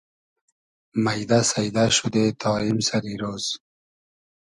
مݷدۂ سݷدۂ شودې تا ایم سئری رۉز